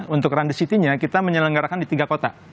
untuk rundi city nya kita menyelenggarakan di tiga kota